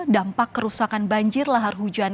dampak kerusakan banjir lahar hujan